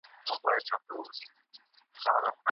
خلګو پر ځانونو ناوړه رواجونه لازم ګڼل.